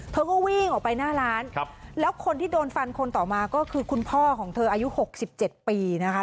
เธอก็วิ่งออกไปหน้าร้านแล้วคนที่โดนฟันคนต่อมาก็คือคุณพ่อของเธออายุ๖๗ปีนะคะ